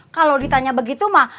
kalau ditanya begitu mah